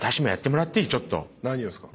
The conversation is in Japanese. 何をですか？